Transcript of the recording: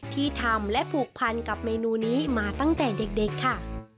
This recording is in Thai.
ที่ทำและผูกพันกับเมนูนี้มาตั้งแต่เด็กค่ะ